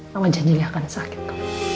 mama janji gak akan sakit